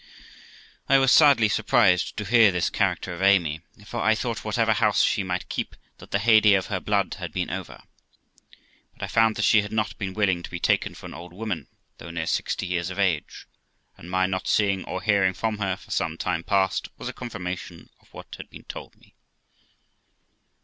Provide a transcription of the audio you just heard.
I was sadly surprised to hear this character of Amy; for I thought whatever house she might keep, that the heyday of her blood had been over. But I found that she had not been willing to be taken for an old woman, though near sixty years of age; and my not seeing or hearing from her for some time past was a confirmation of what had been told me.